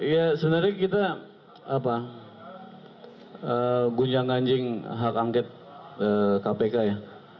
ya sebenarnya kita gunjang ganjing hak angket kpk ya